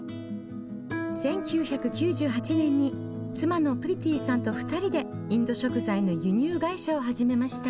１９９８年に妻のプリティさんと２人でインド食材の輸入会社を始めました。